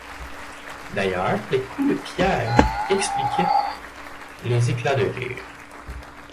D'ailleurs les coups de pierre expliquaient les éclats de rire.